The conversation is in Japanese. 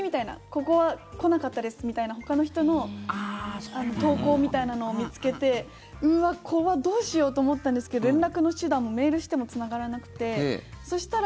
ここは来なかったですみたいなほかの人の投稿みたいなのを見つけてうわ、怖、どうしようと思ったんですけど連絡の手段もメールしてもつながらなくて、そしたら。